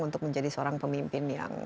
untuk menjadi seorang pemimpin yang